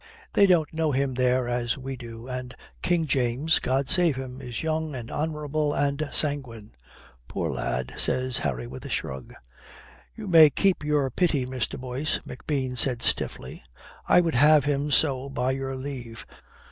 They don't know him there as we do, and King James, God save him! is young and honourable and sanguine." "Poor lad," says Harry with a shrug. "You may keep your pity, Mr. Boyce," McBean said stiffly. "I would have him so, by your leave.